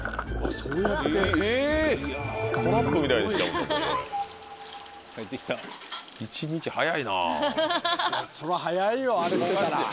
そら早いよあれしてたら。